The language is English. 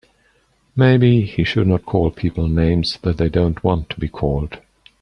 Maybe he should not call people names that they don't want to be called.